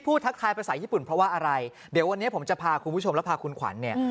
ทักทายภาษาญี่ปุ่นเพราะว่าอะไรเดี๋ยววันนี้ผมจะพาคุณผู้ชมแล้วพาคุณขวัญเนี่ย